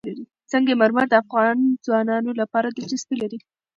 سنگ مرمر د افغان ځوانانو لپاره دلچسپي لري.